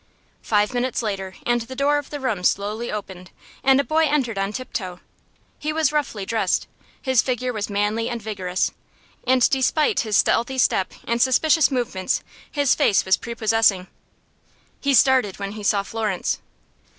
Five minutes later and the door of the room slowly opened, and a boy entered on tiptoe. He was roughly dressed. His figure was manly and vigorous, and despite his stealthy step and suspicious movements his face was prepossessing. He started when he saw Florence.